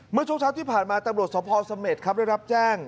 เมื่อช่วงเช้าที่ผ่านมาตำรวจสพสเมษครับได้รับแจ้ง